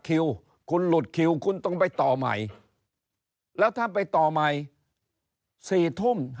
คิวคุณหลุดคิวคุณต้องไปต่อใหม่แล้วถ้าไปต่อใหม่๔ทุ่ม